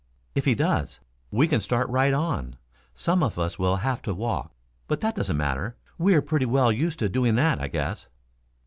If he does, we can start right on. Some of us will have to walk, but that doesn't matter. We are pretty well used to doing that, I guess."